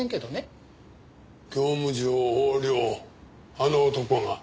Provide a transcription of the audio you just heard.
あの男が？